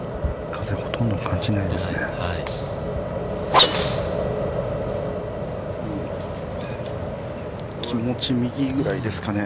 ◆風はほとんど感じないですね。